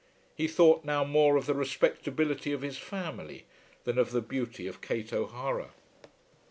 He thought now more of the respectability of his family than of the beauty of Kate O'Hara.